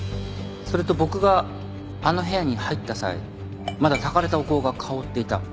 それと僕があの部屋に入った際まだたかれたお香が香っていた。